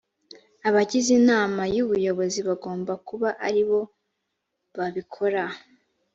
abagize inama y ubuyobozi bagomba kuba ari bo babikora